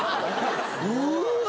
うわ！